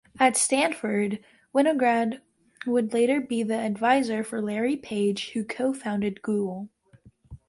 At Stanford, Winograd would later be the adviser for Larry Page, who co-founded Google.